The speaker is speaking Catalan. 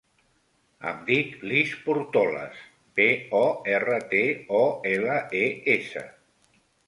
Em dic Lis Portoles: pe, o, erra, te, o, ela, e, essa.